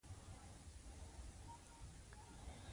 دوی کرنیز ژوند ته مخه کړه او تمدن یې جوړ کړ.